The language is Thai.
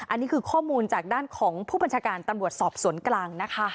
อันนี้คือข้อมูลจากด้านของผู้บัญชาการตำรวจสอบสวนกลางนะคะ